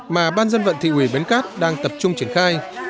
mà ban dân vận thị ủy bến cát đang tập trung triển khai